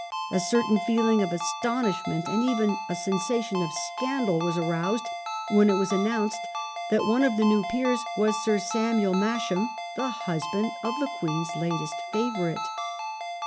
A certain feeling of astonishment, and even a sensation of scandal, was aroused when it was announced that one of the new peers was Sir Samuel Masham, the husband of the Queen's latest favourite.